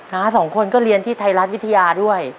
สองคนก็เรียนที่ไทยรัฐวิทยาด้วย